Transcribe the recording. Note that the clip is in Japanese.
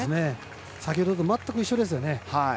先ほどと全く一緒ですね。